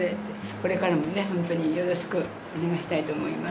これからもよろしくお願いしたいと思います。